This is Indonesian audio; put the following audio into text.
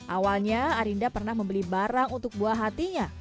awalnya arinda pernah membeli barang untuk buah hatinya